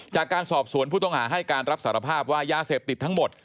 จากการสอบสวนผู้ต้องหาให้การรับสารภาพว่ายาเสพติดทั้งหมด